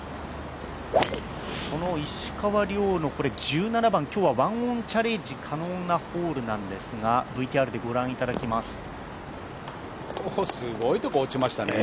その石川遼の１７番、今日は１オンチャレンジ可能なホールなんですがすごいところ落ちましたね。